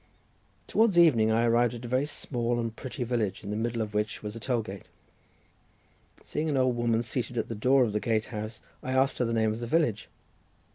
Towards evening I arrived at a very small and pretty village, in the middle of which was a toll gate—seeing an old woman seated at the door of the gate house, I asked her the name of the village.